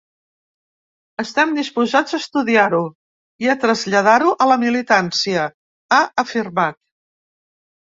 Estem disposats a estudiar-ho i a traslladar-ho a la militància, ha afirmat.